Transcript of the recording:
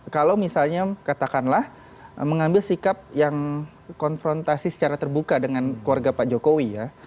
kalau misalnya katakanlah mengambil sikap yang konfrontasi secara terbuka dengan keluarga pak jokowi ya